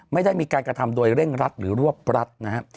ไม่ได้มีการกระทำโดยเร่งรัดหรือรวบรัฐนะฮะ